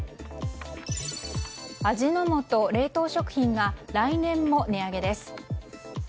味の素冷凍食品が来年も値上げです。